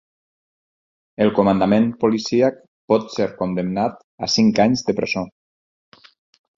El comandament policíac pot ser condemnat a cinc anys de presó